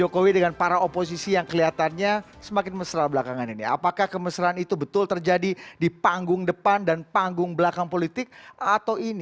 kepala kepala kepala